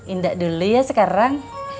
indah dulu ya sekarang